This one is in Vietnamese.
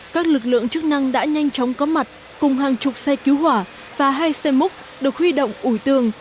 các lực lượng chức năng đã nhanh chóng có mặt cùng hàng chục xe cứu hỏa và hai xe múc được huy động ủi tường